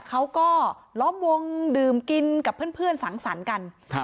เขาก็ล้อมวงดื่มกินกับเพื่อนสังสรรค์กันครับ